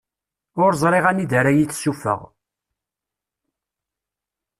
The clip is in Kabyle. Ur ẓriɣ anida ara yi-tessuffeɣ.